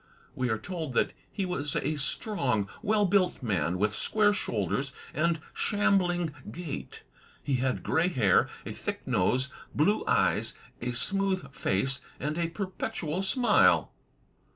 We are told that "he was a strong, well built man with square shoulders and shambling gait. He had gray hair, a thick nose, blue eyes, a smooth face and a perpetual smile.''